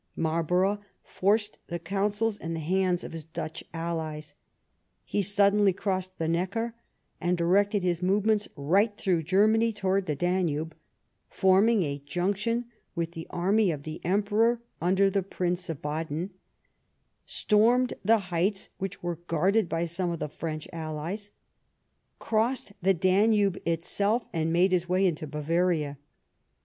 Marlborough forced the coun sels and the hands of his Dutch allies. He suddenly crossed the Neckar, and directed his movements right through Germany towards the Danube, formed a junc tion with the army of the Emperor under the Prince of Baden, stormed the heights which were guarded by some of the French allies, crossed the Danube itself, and made his way into Bavaria.